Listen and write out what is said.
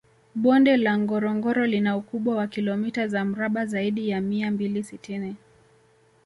Bonde la Ngorongoro lina ukubwa wa kilomita za mraba zaidi ya mia mbili sitini